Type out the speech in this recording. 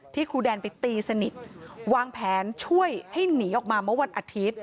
ครูแดนไปตีสนิทวางแผนช่วยให้หนีออกมาเมื่อวันอาทิตย์